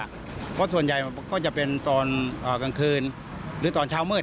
เพราะส่วนใหญ่มันก็จะเป็นตอนกลางคืนหรือตอนเช้ามืด